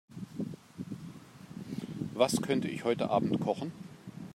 Was könnte ich heute Abend kochen?